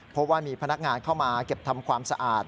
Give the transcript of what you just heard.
เพราะว่ามีพนักงานเข้ามาเก็บทำความสะอาด